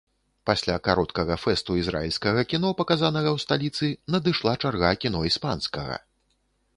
Пасля кароткага фэсту ізраільскага кіно, паказанага ў сталіцы, надышла чарга кіно іспанскага.